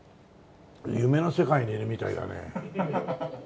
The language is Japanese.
夢の世界にいるみたいだね。